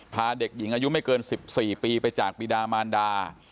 พาเด็กหญิงอายุไม่เกิน๑๔ปีไปจากปีดามานดา